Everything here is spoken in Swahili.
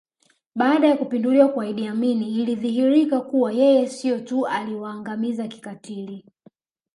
Baada ya kupinduliwa kwa Idi Amin ilidhihirika kuwa yeye sio tu aliwaangamiza kikatili